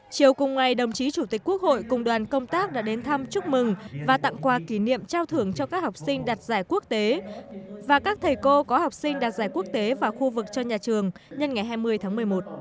chiều cùng ngày đồng chí chủ tịch quốc hội cùng đoàn công tác đã đến thăm chúc mừng và tặng quà kỷ niệm trao thưởng cho các học sinh đạt giải quốc tế và các thầy cô có học sinh đạt giải quốc tế và khu vực cho nhà trường nhân ngày hai mươi tháng một mươi một